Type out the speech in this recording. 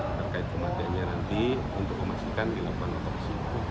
keluarga terkait kematiannya nanti untuk memaksikan dilakukan otopsi